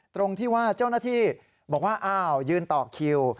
ตรงที่ว่าเจ้าหน้าที่บอกว่าอ้าวยืนต่อคิว